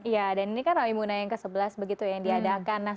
iya dan ini kan raimu nasional yang ke sebelas begitu ya yang diadakan